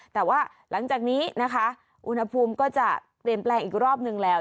แต่ว่าหลังจากนี้นะคะอุณหภูมิก็จะเปลี่ยนแปลงอีกรอบนึงแล้ว